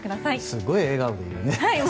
すごい笑顔で言うね。